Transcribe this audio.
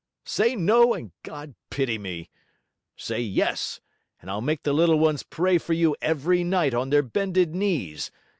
Say no, and God pity me! Say yes, and I'll make the little ones pray for you every night on their bended knees.